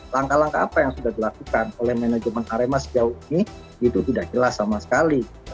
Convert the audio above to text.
langkah langkah apa yang sudah dilakukan oleh manajemen arema sejauh ini itu tidak jelas sama sekali